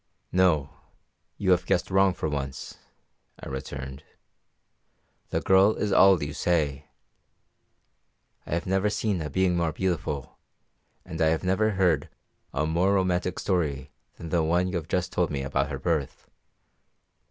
"No, you have guessed wrong for once," I returned. "The girl is all you say; I have never seen a being more beautiful, and I have never heard a more romantic story than the one you have just told me about her birth.